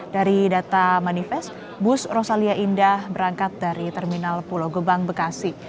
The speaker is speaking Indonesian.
dari data manifest bus rosalia indah berangkat dari terminal pulau gebang bekasi